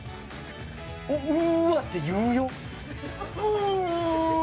「うわ」って言うよ